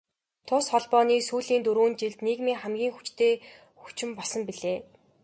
Тус холбоо сүүлийн дөрвөн жилд нийгмийн хамгийн хүчтэй хүчин болсон билээ.